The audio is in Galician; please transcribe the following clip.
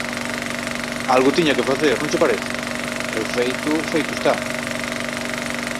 Algo tiña que facer, non che parece? E o feito, feito está.